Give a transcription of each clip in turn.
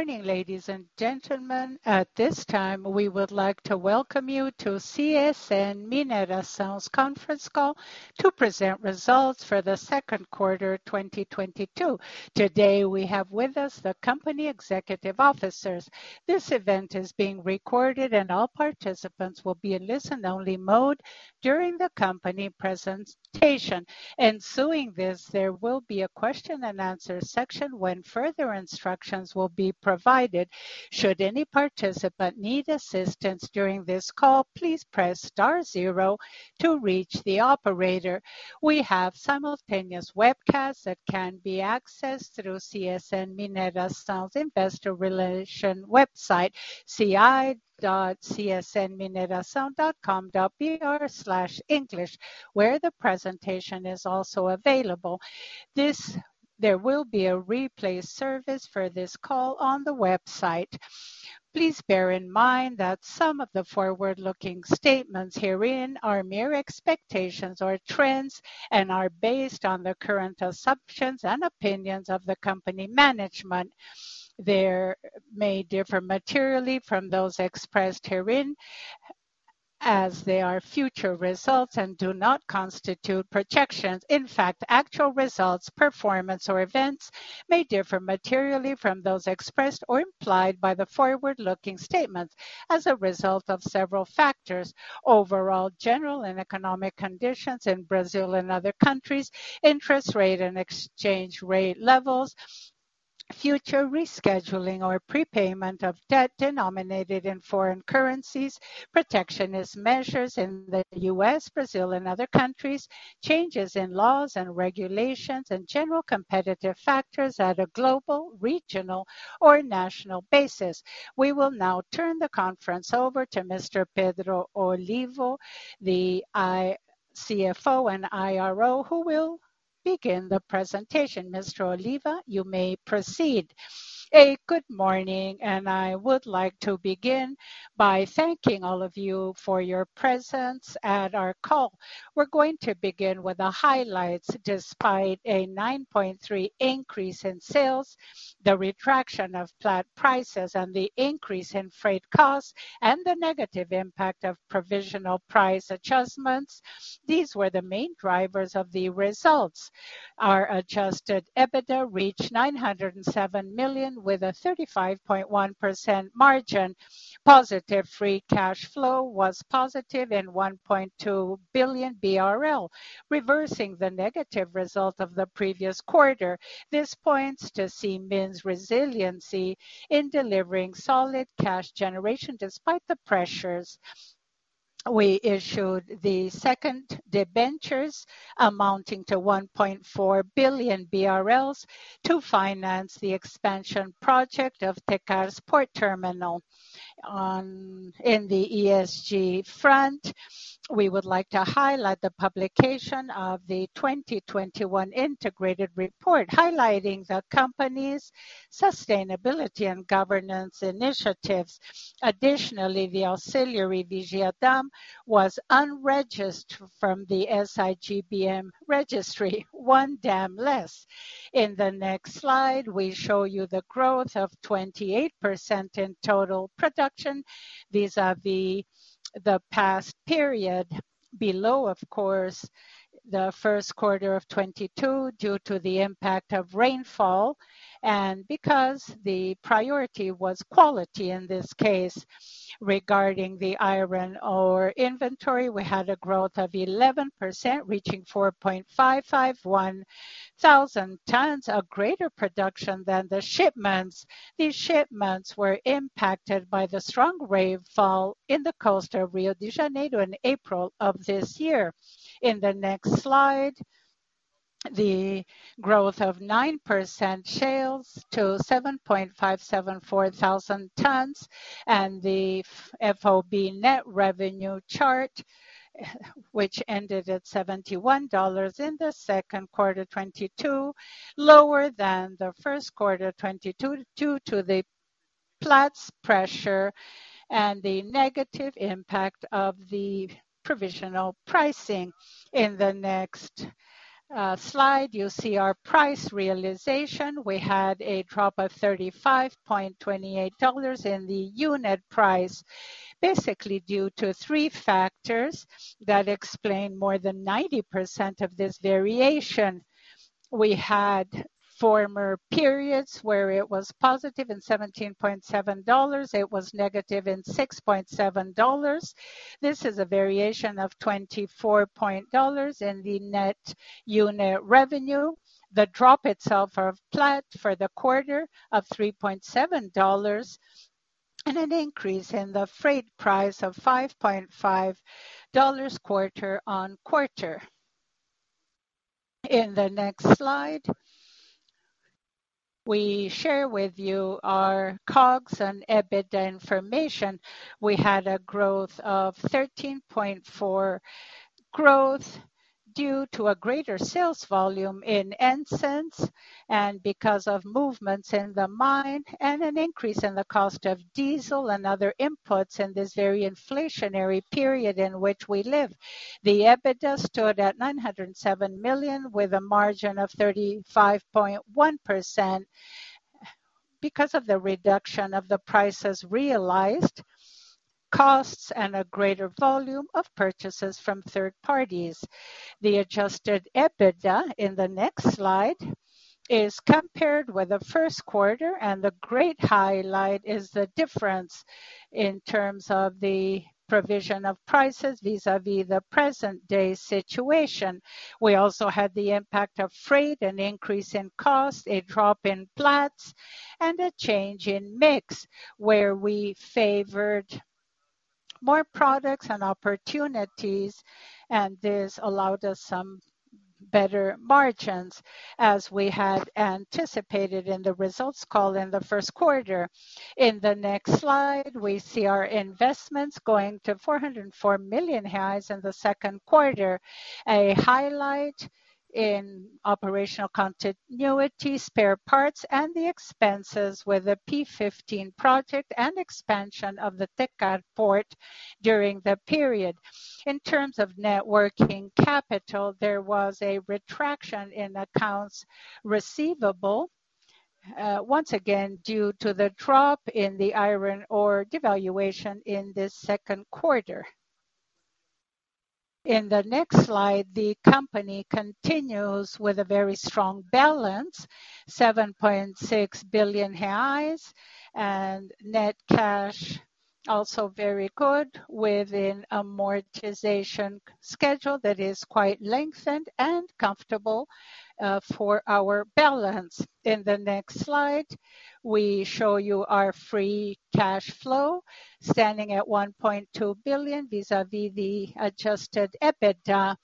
Morning, ladies and gentlemen. At this time, we would like to welcome you to CSN Mineração's conference call to present results for the second quarter 2022. Today, we have with us the company executive officers. This event is being recorded, and all participants will be in listen-only mode during the company presentation. Ensuing this, there will be a question and answer section when further instructions will be provided. Should any participant need assistance during this call, please press star zero to reach the operator. We have simultaneous webcasts that can be accessed through CSN Mineração's investor relation website, ri.csnmineracao.com.br/english, where the presentation is also available. There will be a replay service for this call on the website. Please bear in mind that some of the forward-looking statements herein are mere expectations or trends and are based on the current assumptions and opinions of the company management. They may differ materially from those expressed herein as they are future results and do not constitute projections. In fact, actual results, performance, or events may differ materially from those expressed or implied by the forward-looking statements as a result of several factors, overall general and economic conditions in Brazil and other countries, interest rate and exchange rate levels, future rescheduling or prepayment of debt denominated in foreign currencies, protectionist measures in the U.S., Brazil, and other countries, changes in laws and regulations, and general competitive factors at a global, regional, or national basis. We will now turn the conference over to Mr. Pedro Oliva, the CFO and IRO, who will begin the presentation. Mr. Oliva, you may proceed. Good morning, and I would like to begin by thanking all of you for your presence at our call. We're going to begin with the highlights. Despite a 9.3% increase in sales, the retraction of flat prices and the increase in freight costs and the negative impact of provisional price adjustments, these were the main drivers of the results. Our adjusted EBITDA reached 907 million, with a 35.1% margin. Positive free cash flow was positive in 1.2 billion BRL, reversing the negative result of the previous quarter. This points to CMIN's resiliency in delivering solid cash generation despite the pressures. We issued the second debentures amounting to 1.4 billion BRL to finance the expansion project of Tecar Port Terminal. In the ESG front, we would like to highlight the publication of the 2021 integrated report, highlighting the company's sustainability and governance initiatives. Additionally, the auxiliary Vigia Dam was unregistered from the SIGBM registry, one dam less. In the next slide, we show you the growth of 28% in total production. These are the past period. Below, of course, the first quarter of 2022 due to the impact of rainfall and because the priority was quality in this case. Regarding the iron ore inventory, we had a growth of 11%, reaching 4,551 tons, a greater production than the shipments. These shipments were impacted by the strong rainfall in the coast of Rio de Janeiro in April of this year. In the next slide, the growth of 9% sales to 7,574 tons and the FOB net revenue chart, which ended at $71 in the second quarter 2022, lower than the first quarter 2022 due to the Platts prices and the negative impact of the provisional pricing. In the next slide, you'll see our price realization. We had a drop of $35.28 in the unit price, basically due to three factors that explain more than 90% of this variation. In former periods where it was positive in $17.7. It was negative in $6.7. This is a variation of $24 in the net unit revenue. The drop in Platts for the quarter of $3.7 and an increase in the freight price of $5.5 quarter-over-quarter. In the next slide, we share with you our COGS and EBITDA information. We had a growth of 13.4% due to a greater sales volume in iron ore and because of movements in the mine and an increase in the cost of diesel and other inputs in this very inflationary period in which we live. The EBITDA stood at 907 million with a margin of 35.1%. The reduction of the prices realized, costs and a greater volume of purchases from third parties. The adjusted EBITDA in the next slide is compared with the first quarter, and the great highlight is the difference in terms of the provision of prices vis-à-vis the present day situation. We also had the impact of freight, an increase in cost, a drop in Platts, and a change in mix where we favored more products and opportunities, and this allowed us some better margins as we had anticipated in the results call in the first quarter. In the next slide, we see our investments going to 404 million in the second quarter. A highlight in operational continuity, spare parts, and the expenses with the P15 project and expansion of the Tecar port during the period. In terms of net working capital, there was a reduction in accounts receivable, once again due to the drop in the iron ore prices in the second quarter. In the next slide, the company continues with a very strong balance, 7.6 billion reais, and net cash also very good within amortization schedule that is quite lengthened and comfortable for our balance. In the next slide, we show you our free cash flow standing at 1.2 billion vis-a-vis the adjusted EBITDA.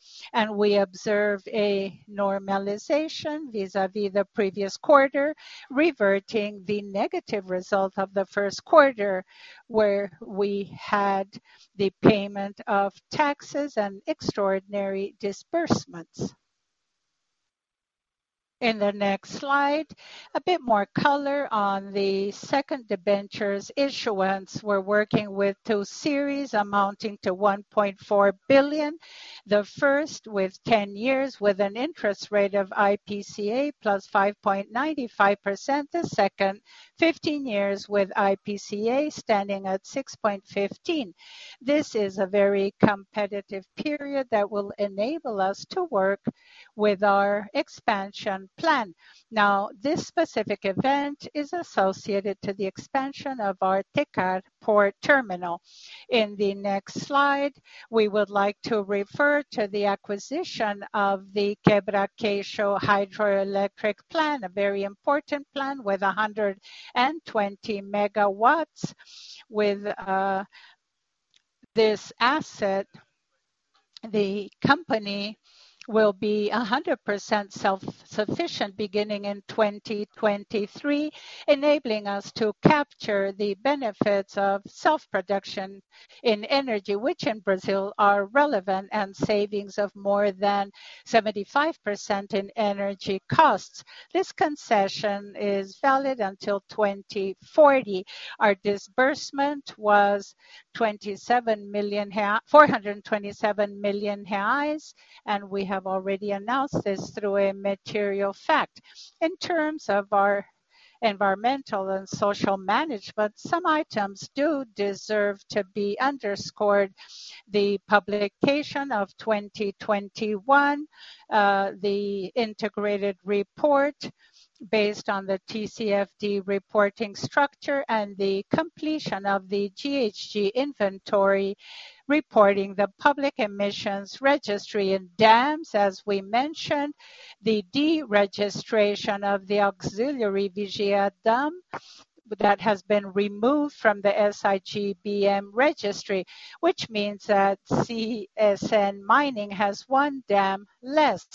We observe a normalization vis-a-vis the previous quarter, reverting the negative result of the first quarter, where we had the payment of taxes and extraordinary disbursements. In the next slide, a bit more color on the second debentures issuance. We're working with two series amounting to 1.4 billion. The first with 10 years with an interest rate of IPCA plus 5.95%. The second, 15 years with IPCA plus 6.15%. This is a very competitive period that will enable us to work with our expansion plan. Now, this specific event is associated to the expansion of our Tecar port terminal. In the next slide, we would like to refer to the acquisition of the Quebra-Queixo hydroelectric plant, a very important plant with 120 MW. With this asset, the company will be 100% self-sufficient beginning in 2023, enabling us to capture the benefits of self-production in energy, which in Brazil are relevant and savings of more than 75% in energy costs. This concession is valid until 2040. Our disbursement was 427 million reais, and we have already announced this through a material fact. In terms of our environmental and social management, some items do deserve to be underscored. The publication of 2021, the integrated report based on the TCFD reporting structure and the completion of the GHG inventory reporting to the public emissions registry in dams, as we mentioned. The deregistration of the auxiliary Vigia dam that has been removed from the SIGBM registry, which means that CSN Mining has one dam less.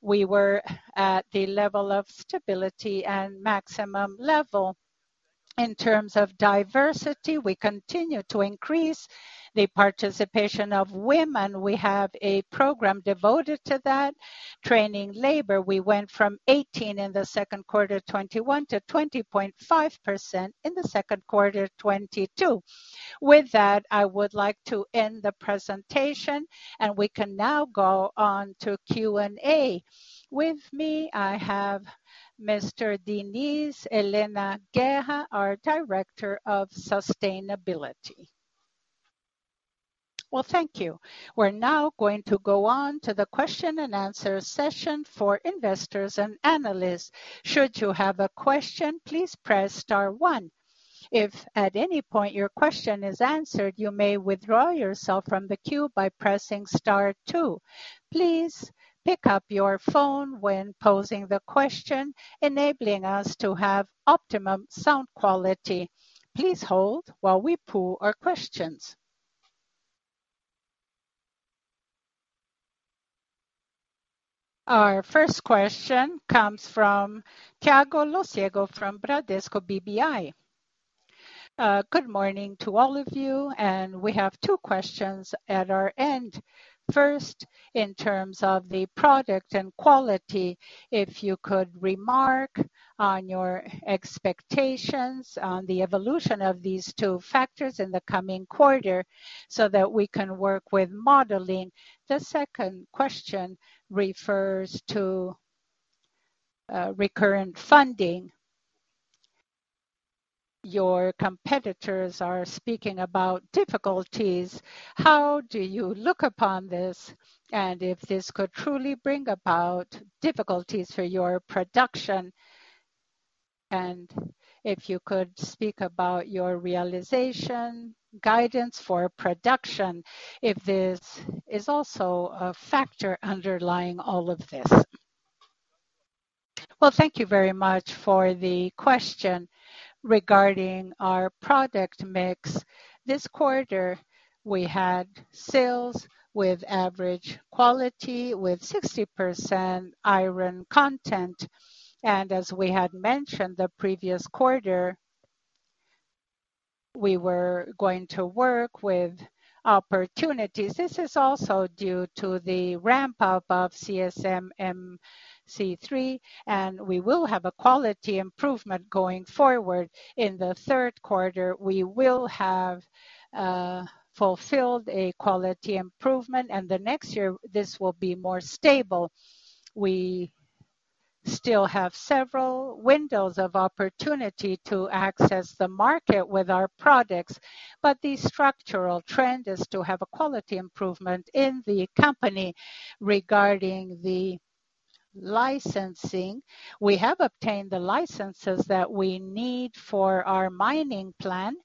We were at the level of stability and maximum level. In terms of diversity, we continue to increase the participation of women. We have a program devoted to that. Training labor, we went from 18% in the second quarter 2021 to 20.5% in the second quarter 2022. With that, I would like to end the presentation, and we can now go on to Q&A. With me, I have Mr. Helena Guerra, our Director of Sustainability. Well, thank you. We're now going to go on to the question and answer session for investors and analysts. Should you have a question, please press star one. If at any point your question is answered, you may withdraw yourself from the queue by pressing star two. Please pick up your phone when posing the question, enabling us to have optimum sound quality. Please hold while we pull our questions. Our first question comes from Thiago Lofiego from Bradesco BBI. Good morning to all of you, and we have two questions at our end. First, in terms of the product and quality, if you could remark on your expectations on the evolution of these two factors in the coming quarter so that we can work with modeling? The second question refers to recurrent funding. Your competitors are speaking about difficulties. How do you look upon this? If this could truly bring about difficulties for your production, and if you could speak about your realization guidance for production, if this is also a factor underlying all of this? Well, thank you very much for the question regarding our product mix. This quarter, we had sales with average quality with 60% iron content. As we had mentioned the previous quarter, we were going to work with opportunities. This is also due to the ramp up of CSMC3, and we will have a quality improvement going forward. In the third quarter, we will have fulfilled a quality improvement, and the next year this will be more stable. We still have several windows of opportunity to access the market with our products, but the structural trend is to have a quality improvement in the company. Regarding the licensing, we have obtained the licenses that we need for our mining plan.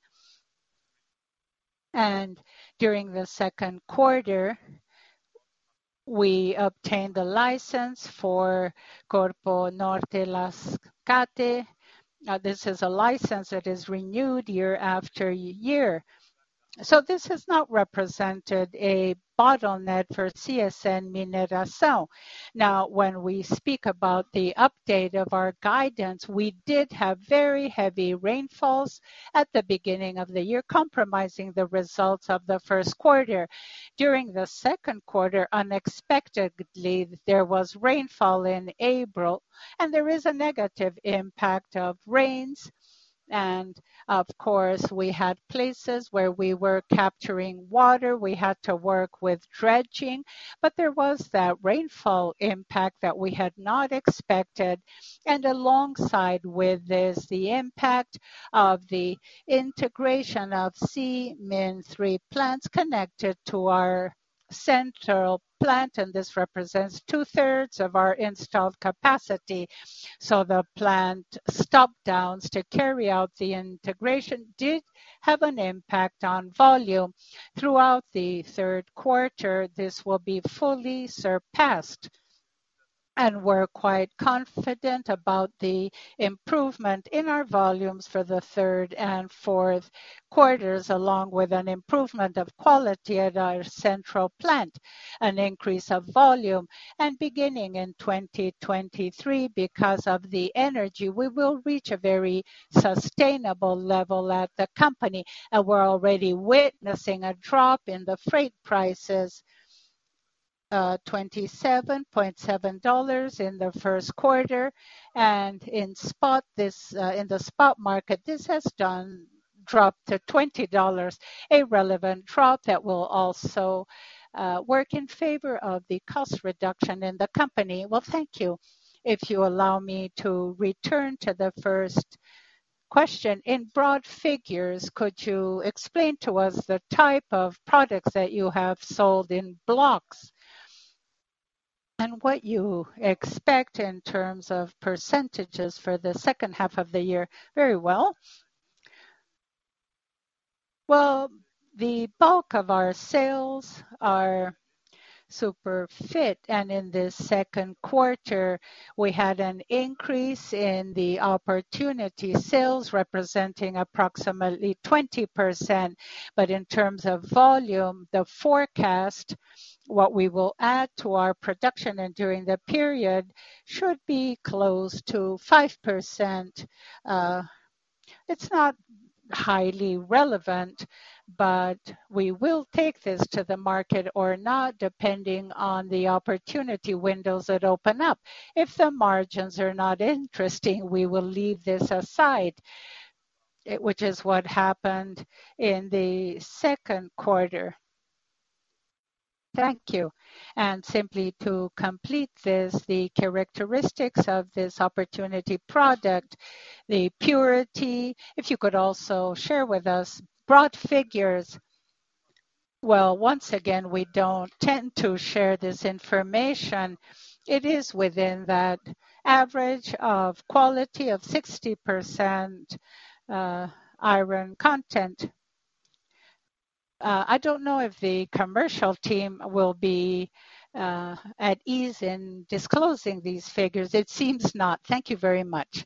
During the second quarter, we obtained the license for Corpo Norte e Mascate. This is a license that is renewed year after year. This has not represented a bottleneck for CSN Mineração. Now, when we speak about the update of our guidance, we did have very heavy rainfalls at the beginning of the year, compromising the results of the first quarter. During the second quarter, unexpectedly, there was rainfall in April, and there is a negative impact of rains. Of course, we had places where we were capturing water. We had to work with dredging. There was that rainfall impact that we had not expected. Along with this, the impact of the integration of CMIN3 plants connected to our central plant, and this represents two-thirds of our installed capacity. The plant shutdowns to carry out the integration did have an impact on volume. Throughout the third quarter, this will be fully surpassed, and we're quite confident about the improvement in our volumes for the third and fourth quarters, along with an improvement of quality at our central plant, an increase of volume. Beginning in 2023, because of the synergy, we will reach a very sustainable level at the company. We're already witnessing a drop in the freight prices, $27.7 in the first quarter. In the spot market, this has dropped to $20, a relevant drop that will also work in favor of the cost reduction in the company. Well, thank you. If you allow me to return to the first question. In broad figures, could you explain to us the type of products that you have sold in bulk and what you expect in terms of percentages for the second half of the year? Very well. Well, the bulk of our sales are sinter feed. In the second quarter, we had an increase in the opportunity sales, representing approximately 20%. In terms of volume, the forecast, what we will add to our production and during the period should be close to 5%. It's not highly relevant, but we will take this to the market or not, depending on the opportunity windows that open up. If the margins are not interesting, we will leave this aside, which is what happened in the second quarter. Thank you. Simply to complete this, the characteristics of this opportunity product, the purity. If you could also share with us broad figures. Well, once again, we don't tend to share this information. It is within that average of quality of 60% iron content. I don't know if the commercial team will be at ease in disclosing these figures. It seems not. Thank you very much.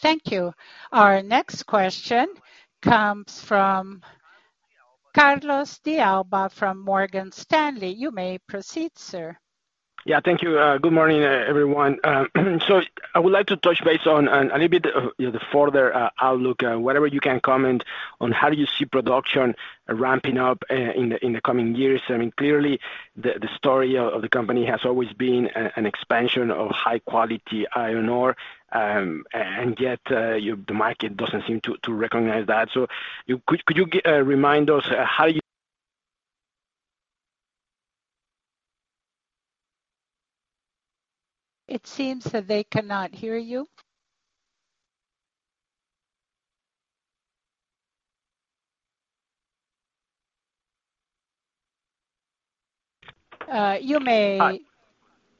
Thank you. Our next question comes from Carlos de Alba from Morgan Stanley. You may proceed, sir. Yeah, thank you. Good morning, everyone. I would like to touch base on a little bit of, you know, the further outlook, whatever you can comment on how you see production ramping up in the coming years? I mean, clearly the story of the company has always been an expansion of high quality iron ore. And yet, the market doesn't seem to recognize that. Could you remind us how you- It seems that they cannot hear you. Can you hear me?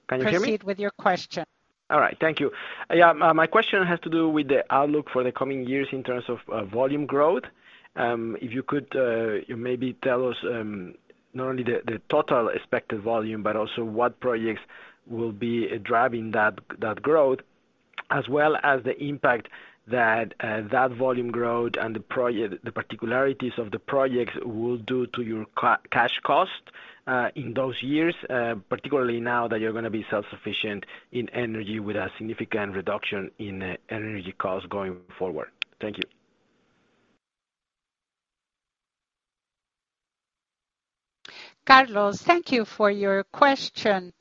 Proceed with your question. All right. Thank you. Yeah. My question has to do with the outlook for the coming years in terms of volume growth. If you could maybe tell us not only the total expected volume, but also what projects will be driving that growth as well as the impact that that volume growth and the particularities of the projects will do to your cash cost in those years, particularly now that you're gonna be self-sufficient in energy with a significant reduction in energy costs going forward? Thank you. Carlos, thank you for your question.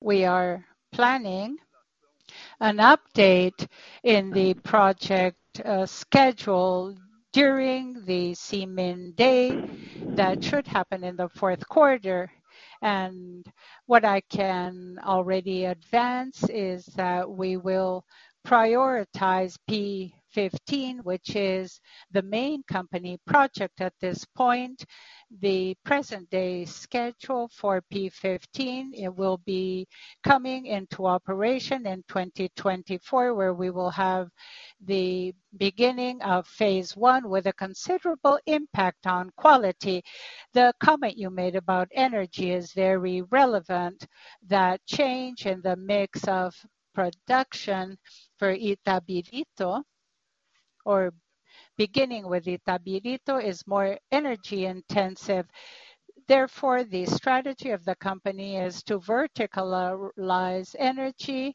We are planning an update in the project schedule during the CMIN day. That should happen in the fourth quarter. What I can already advance is that we will prioritize P15, which is the main company project at this point. The present day schedule for P15, it will be coming into operation in 2024, where we will have the beginning of phase one with a considerable impact on quality. The comment you made about energy is very relevant. That change in the mix of production for Itabirito, or beginning with Itabirito, is more energy intensive. Therefore, the strategy of the company is to verticalize energy,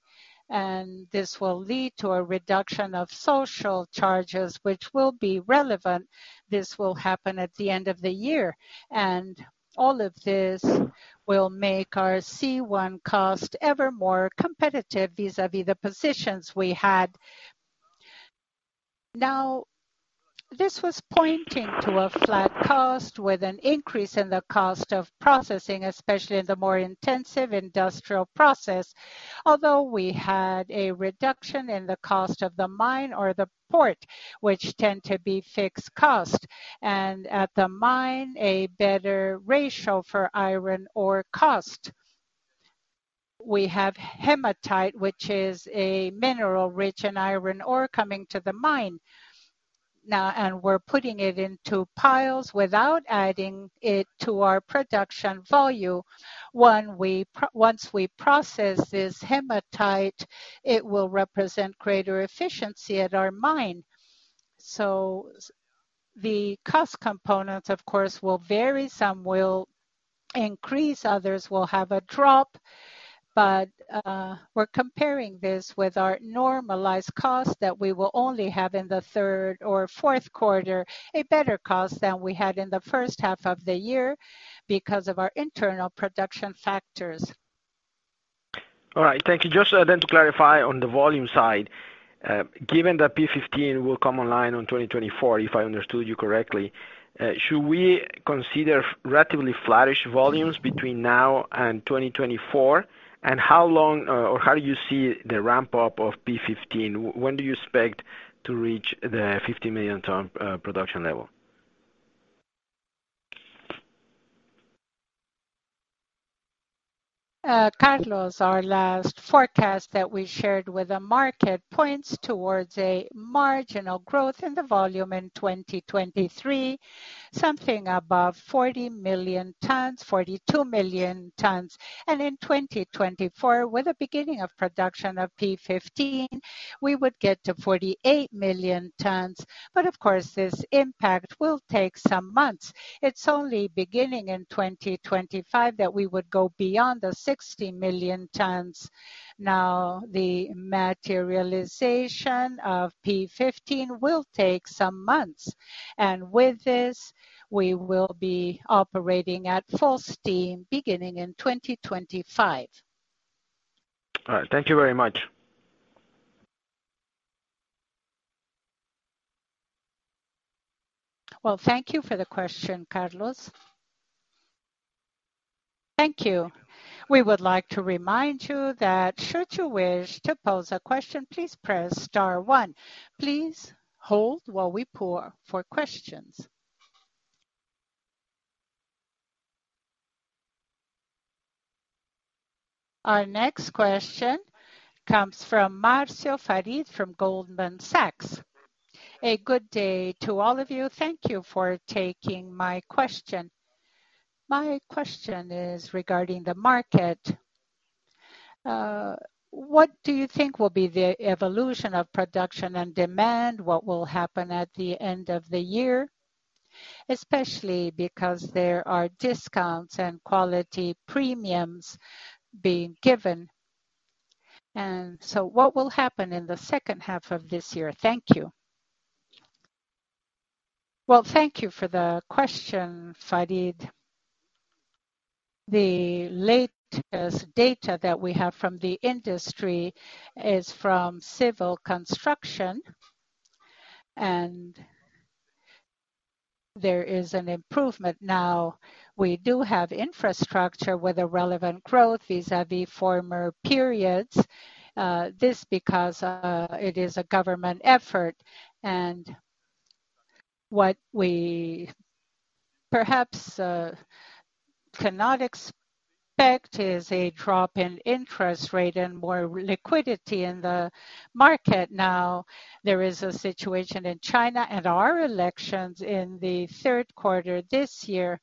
and this will lead to a reduction of social charges, which will be relevant. This will happen at the end of the year. All of this will make our C1 cost ever more competitive vis-à-vis the positions we had. Now, this was pointing to a flat cost with an increase in the cost of processing, especially in the more intensive industrial process. Although we had a reduction in the cost of the mine or the port, which tend to be fixed cost. At the mine, a better ratio for iron ore cost. We have hematite, which is a mineral rich in iron ore coming to the mine now, and we're putting it into piles without adding it to our production volume. Once we process this hematite, it will represent greater efficiency at our mine. The cost components, of course, will vary. Some will increase, others will have a drop. We're comparing this with our normalized cost that we will only have in the third or fourth quarter, a better cost than we had in the first half of the year because of our internal production factors. All right. Thank you. Just then to clarify on the volume side. Given that P15 will come online on 2024, if I understood you correctly, should we consider relatively flattish volumes between now and 2024? How long or how do you see the ramp-up of P15? When do you expect to reach the 50 million ton production level? Carlos, our last forecast that we shared with the market points towards a marginal growth in the volume in 2023, something above 40 million tons, 42 million tons. In 2024, with the beginning of production of P15, we would get to 48 million tons. Of course, this impact will take some months. It's only beginning in 2025 that we would go beyond the 60 million tons. Now, the materialization of P15 will take some months. With this, we will be operating at full steam beginning in 2025. All right. Thank you very much. Well, thank you for the question, Carlos. Thank you. We would like to remind you that should you wish to pose a question, please press star one. Please hold while we poll for questions. Our next question comes from Marcio Farid from Goldman Sachs. Good day to all of you. Thank you for taking my question. My question is regarding the market. What do you think will be the evolution of production and demand? What will happen at the end of the year? Especially because there are discounts and quality premiums being given. What will happen in the second half of this year? Thank you. Well, thank you for the question, Farid. The latest data that we have from the industry is from civil construction, and there is an improvement now. We do have infrastructure with a relevant growth vis-a-vis former periods, this because it is a government effort. What we perhaps cannot expect is a drop in interest rate and more liquidity in the market. Now, there is a situation in China and our elections in the third quarter this year.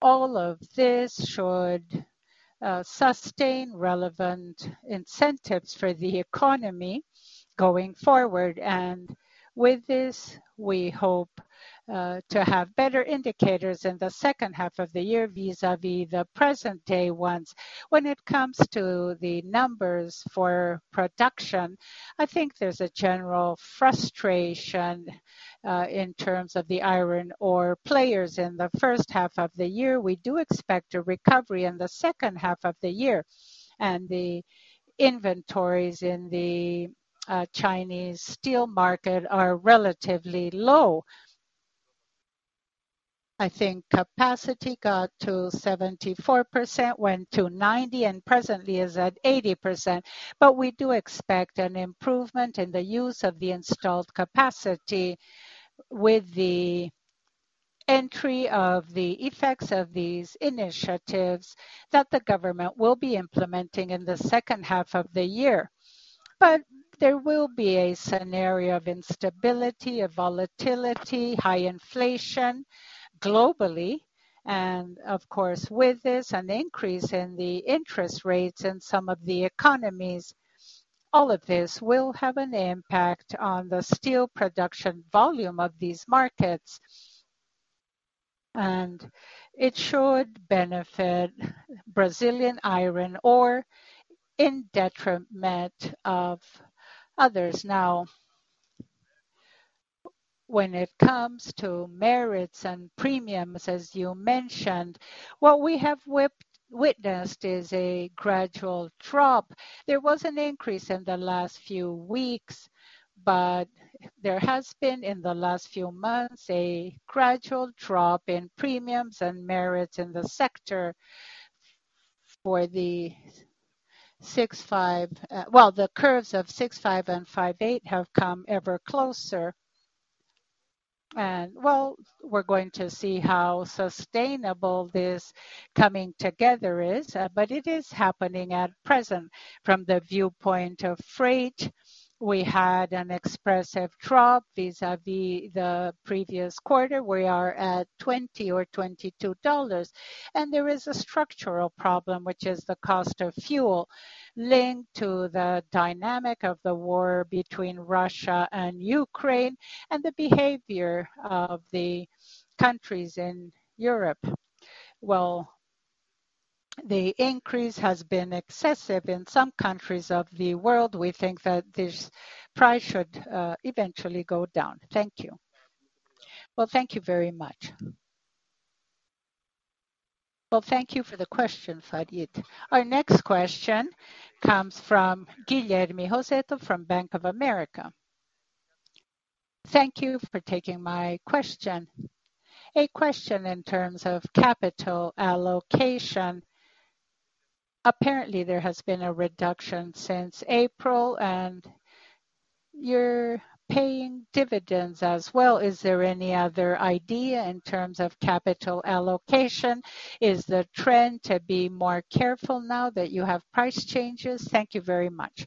All of this should sustain relevant incentives for the economy going forward. With this, we hope to have better indicators in the second half of the year vis-a-vis the present day ones. When it comes to the numbers for production, I think there's a general frustration in terms of the iron ore players in the first half of the year. We do expect a recovery in the second half of the year, and the inventories in the Chinese steel market are relatively low. I think capacity got to 74%, went to 90%, and presently is at 80%. We do expect an improvement in the use of the installed capacity with the entry of the effects of these initiatives that the government will be implementing in the second half of the year. There will be a scenario of instability, of volatility, high inflation globally, and of course, with this, an increase in the interest rates in some of the economies. All of this will have an impact on the steel production volume of these markets, and it should benefit Brazilian iron ore in detriment of others. Now, when it comes to merits and premiums, as you mentioned, what we have witnessed is a gradual drop. There was an increase in the last few weeks, but there has been, in the last few months, a gradual drop in premiums and merits in the sector for the six-five. The curves of six-five and five-eight have come ever closer. We're going to see how sustainable this coming together is, but it is happening at present. From the viewpoint of freight, we had an expressive drop vis-a-vis the previous quarter. We are at $20 or $22. There is a structural problem, which is the cost of fuel linked to the dynamic of the war between Russia and Ukraine and the behavior of the countries in Europe. The increase has been excessive in some countries of the world. We think that this price should eventually go down. Thank you. Thank you very much. Thank you for the question, Marcio Farid. Our next question comes from Guilherme Rossetto from Bank of America. Thank you for taking my question. A question in terms of capital allocation. Apparently, there has been a reduction since April, and you're paying dividends as well. Is there any other idea in terms of capital allocation? Is the trend to be more careful now that you have price changes? Thank you very much.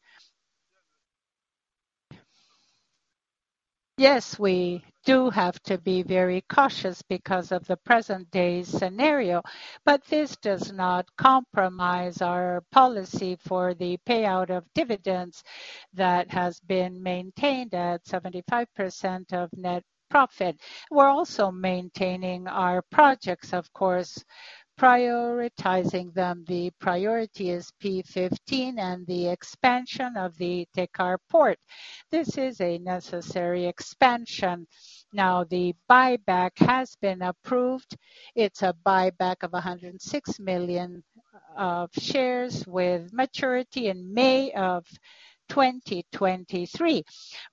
Yes, we do have to be very cautious because of the present day scenario, but this does not compromise our policy for the payout of dividends that has been maintained at 75% of net profit. We're also maintaining our projects, of course, prioritizing them. The priority is P15 and the expansion of the Tecar port. This is a necessary expansion. Now, the buyback has been approved. It's a buyback of 106 million shares with maturity in May of 2023.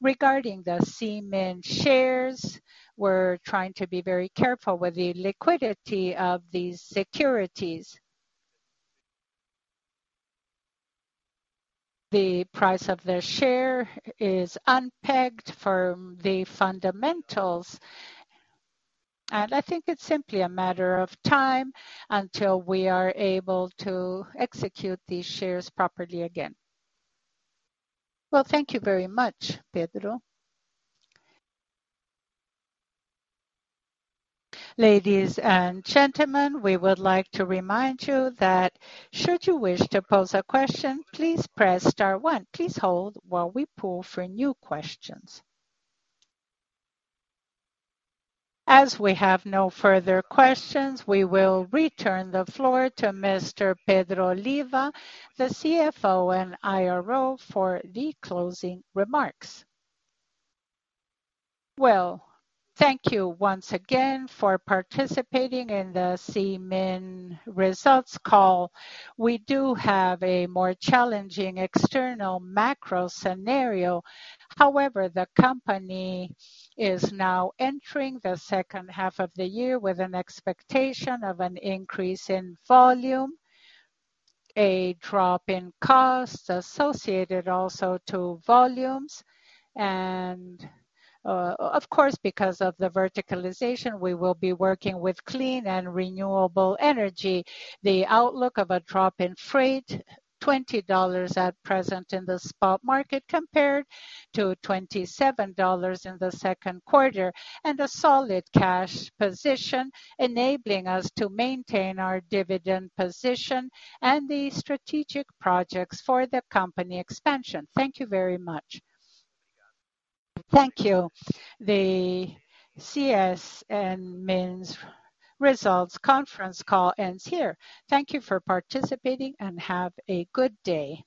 Regarding the CMIN shares, we're trying to be very careful with the liquidity of these securities. The price of the share is unpegged from the fundamentals, and I think it's simply a matter of time until we are able to execute these shares properly again. Well, thank you very much, Pedro. Ladies and gentlemen, we would like to remind you that should you wish to pose a question, please press star one. Please hold while we poll for new questions. As we have no further questions, we will return the floor to Mr. Pedro Oliva, the CFO and IRO, for the closing remarks. Well, thank you once again for participating in the CSN Mineração results call. We do have a more challenging external macro scenario. However, the company is now entering the second half of the year with an expectation of an increase in volume, a drop in costs associated also to volumes, and, of course, because of the verticalization, we will be working with clean and renewable energy. The outlook of a drop in freight, $20 at present in the spot market compared to $27 in the second quarter, and a solid cash position enabling us to maintain our dividend position and the strategic projects for the company expansion. Thank you very much. Thank you. CSN Mineração's results conference call ends here. Thank you for participating, and have a good day.